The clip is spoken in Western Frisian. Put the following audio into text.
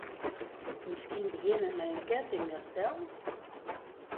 Miskien begjinne mei in campinggasstel?